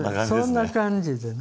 そんな感じでね。